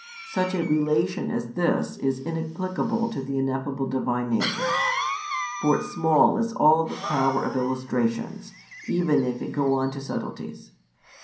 Such a relation as this is inapplicable to the ineffable Divine Nature. For small is all the power of illustrations, even if it go on to subtleties.